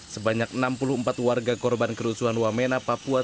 sebanyak enam puluh empat warga korban kerusuhan wamena papua